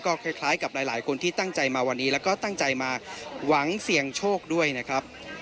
คล้ายกับหลายคนที่ตั้งใจมาวันนี้แล้วก็ตั้งใจมาหวังเสี่ยงโชคด้วยนะครับ